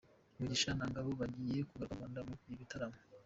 Mugisha na Ngbo bagiye kugaruka mu Rwanda mu bitaramo